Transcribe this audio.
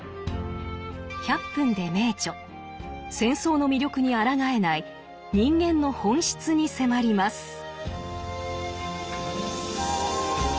「１００分ｄｅ名著」戦争の魅力にあらがえない人間の本質に迫ります。